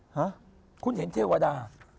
ฮะคุณเห็นเทวดา